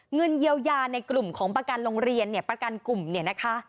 เงินเยียวยาในกลุ่มของประกันโรงเรียนเนี่ยประกันกลุ่มเนี่ยนะคะ